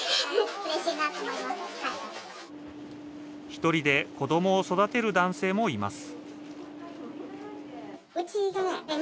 １人で子どもを育てる男性もいます